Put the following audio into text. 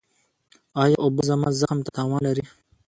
ایا اوبه زما زخم ته تاوان لري؟